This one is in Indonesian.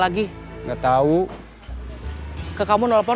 lu yang juga backup nya tuh